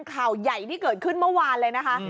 ข่าวใหญ่ที่เกิดขึ้นเมื่อวานเลยนะคะ